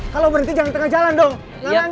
kalau berhenti jangan tengah jalan dong